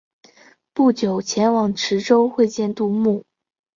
不久前往池州会见杜牧。